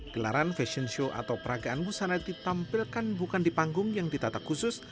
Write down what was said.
gelaran fashion show atau peragaan busana ditampilkan bukan di panggung yang ditata khusus